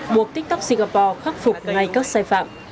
buộc tiktok singapore khắc phục ngay các sai phạm